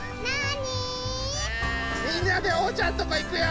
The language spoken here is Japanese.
みんなでおうちゃんとこいくよ。